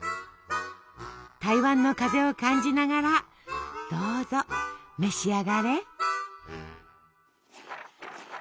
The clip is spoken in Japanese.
台湾の風を感じながらどうぞ召し上がれ。